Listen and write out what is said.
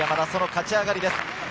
その勝ち上がりです。